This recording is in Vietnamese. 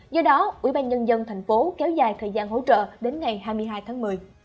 do đó ủy ban nhân dân thành phố kéo dài thời gian hỗ trợ đến ngày hai mươi hai tháng một mươi